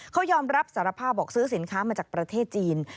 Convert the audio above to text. เขายอมรับสารภาพบอกซื้อสินค้ามาจากประเทศจีน